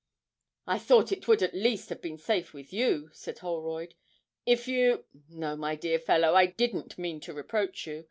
'I thought it would at least have been safe with you,' said Holroyd, 'if you no, my dear fellow, I didn't mean to reproach you.